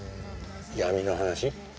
闇の話？